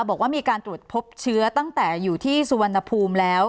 บอกว่ามีการตรวจพบเชื้อตั้งแต่อยู่ที่สุวรรณภูมิแล้ว